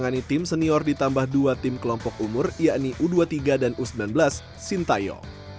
menangani tim senior ditambah dua tim kelompok umur yakni u dua puluh tiga dan u sembilan belas sintayo